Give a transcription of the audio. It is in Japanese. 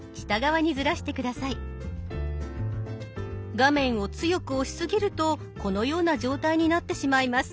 画面を強く押しすぎるとこのような状態になってしまいます。